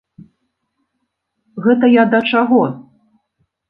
Гэта я да чаго?